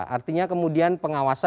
artinya kemudian pengawasan